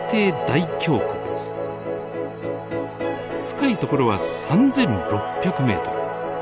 深い所は３，６００メートル。